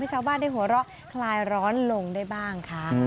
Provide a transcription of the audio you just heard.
ชาวบ้านได้หัวเราะคลายร้อนลงได้บ้างค่ะ